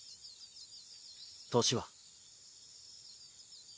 年は？